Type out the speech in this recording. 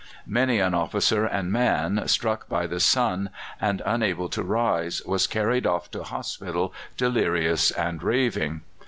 Many an officer and man, struck by the sun and unable to rise, was carried off to hospital delirious and raving.